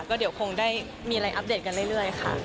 ก็เดี๋ยวคงได้มีอะไรอัปเดตกันเรื่อยค่ะ